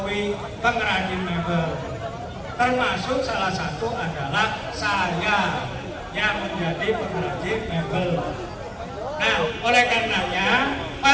yang baca umur datang sama saya yang baca umur datang sama saya